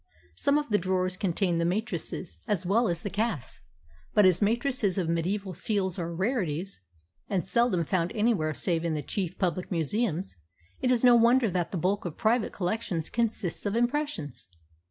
Some of the drawers contained the matrices as well as the casts; but as matrices of mediaeval seals are rarities, and seldom found anywhere save in the chief public museums, it is no wonder that the bulk of private collections consist of impressions.